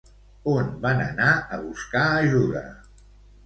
On van anar a buscar ajuda?